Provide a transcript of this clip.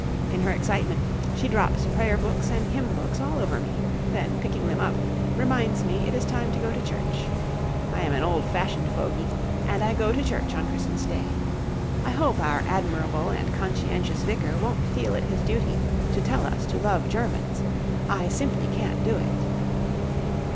In her excitement she drops prayer books and hymn books all over me. Then, picking them up, reminds me it is time to go to church. I am an old fashioned fogey and I go to church on Christmas Day. I hope our admirable and conscientious Vicar won't feel it his duty to tell us to love Germans. I simply can't do it.